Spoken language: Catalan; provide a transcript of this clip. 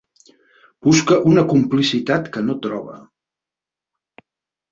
Busca una complicitat que no troba.